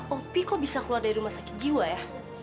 opi kok bisa keluar dari rumah sakit jiwa ya